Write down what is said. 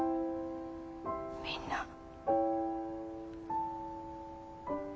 みんな。